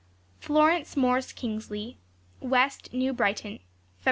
Florence Morse Kingsley. West New Brighton, Feb.